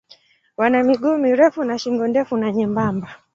Wana miguu mirefu na shingo ndefu na nyembamba.